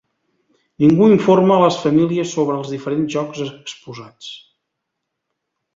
Ningú informa les famílies sobre els diferents jocs exposats.